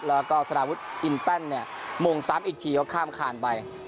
แล้วก็สารวุทธ์อินแป้นเนี่ยมุ่ง๓อีกทีเขาข้ามข่านไป